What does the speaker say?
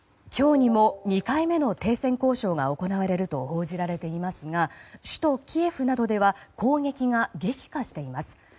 今日にも２回目の停戦交渉が行われると報じられていますが首都キエフなどでは攻撃が激化しています。